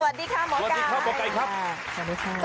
สวัสดีค่ะหมอก้ายสวัสดีค่ะหมอก้ายครับสวัสดีค่ะสวัสดีค่ะ